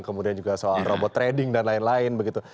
kemudian juga soal robot trading dan lain lain begitu